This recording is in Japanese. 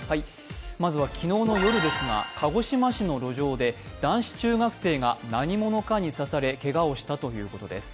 まずは昨日の夜ですが鹿児島市の路上で男子中学生が何者かに刺されけがをしたということです。